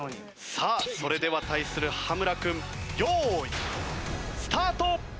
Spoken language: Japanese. さあそれでは対する羽村君用意スタート！